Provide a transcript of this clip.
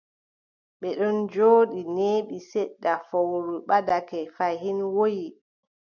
Ɓe ɗon njooɗi, neeɓi seɗɗa, fowru ɓadake fayin, woyi.